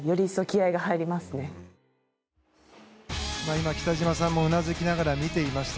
今、北島さんもうなずきながら見ていました。